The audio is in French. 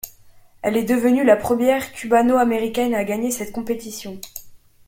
Elle est devenue la première Cubano-Américaine à gagner cette compétition.